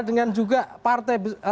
dengan juga partai